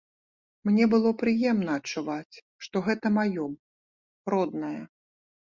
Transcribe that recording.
Мне было прыемна адчуваць, што гэта маё, роднае.